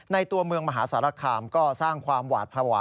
ตัวเมืองมหาสารคามก็สร้างความหวาดภาวะ